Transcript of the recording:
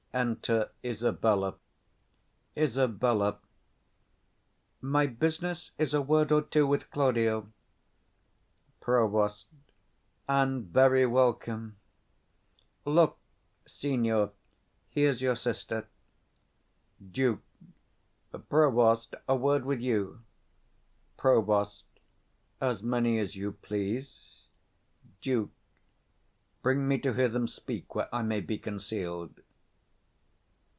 Enter ISABELLA. Isab. My business is a word or two with Claudio. Prov. And very welcome. Look, signior, here's your sister. 50 Duke. Provost, a word with you. Prov. As many as you please. Duke. Bring me to hear them speak, where I may be concealed.